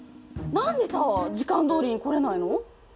何でさ時間どおりに来れないの？